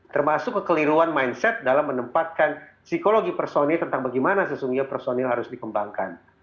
termasuk kekeliruan mindset dalam menempatkan psikologi personil tentang bagaimana sesungguhnya personil harus dikembangkan